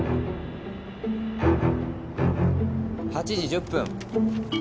８時１０分。